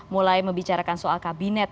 mulai membicarakan soal kabinet